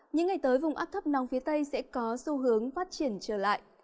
những ngày tới vùng áp thấp nóng phía tây sẽ có xu hướng phát triển trở lại